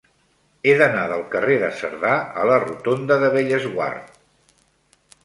He d'anar del carrer de Cerdà a la rotonda de Bellesguard.